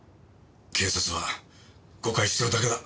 警察は誤解してるだけだ。